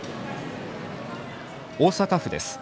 大阪府です。